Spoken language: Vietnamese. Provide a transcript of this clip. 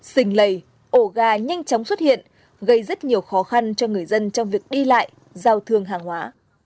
xình lầy ổ gà nhanh chóng xuất hiện gây rất nhiều khó khăn cho người dân trong việc đi lại giao thương hàng hóa